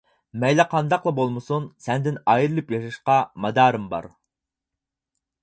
مەيلى قانداقلا بولمىسۇن سەندىن ئايرىلىپ ياشاشقا مادارىم بار.